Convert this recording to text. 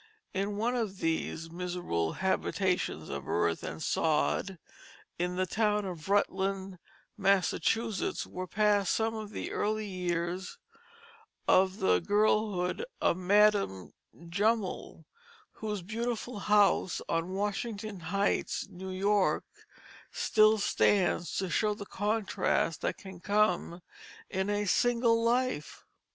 In one of these miserable habitations of earth and sod in the town of Rutland, Massachusetts, were passed some of the early years of the girlhood of Madame Jumel, whose beautiful house on Washington Heights, New York, still stands to show the contrasts that can come in a single life.